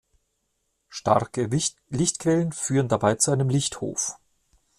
Starke Lichtquellen führen dabei zu einem Lichthof.